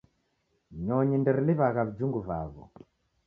Nyonyi nderiliw'agha vijhungu vaw'o